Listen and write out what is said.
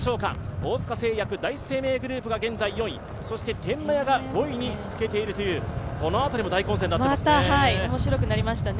大塚製薬、第一生命グループが４位天満屋が５位につけているという、この辺りも大混戦になっていますね。